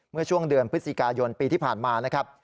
เมื่อช่วงเดือนพฤศจิกายนปีที่ผ่านมานะครับ